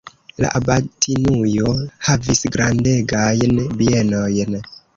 La abatinujo havis grandegajn bienojn.